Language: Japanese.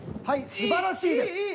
はいすばらしいです。